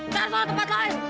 jangan ke tempat lain